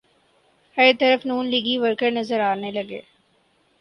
ہر طرف نون لیگی ورکر نظر آنے لگے۔